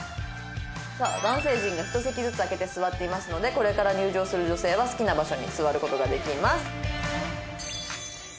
さあ男性陣が１席ずつ空けて座っていますのでこれから入場する女性は好きな場所に座る事ができます。